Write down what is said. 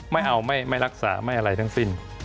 ไม่เอาไม่รักษาไม่อะไรทั้งสิ้น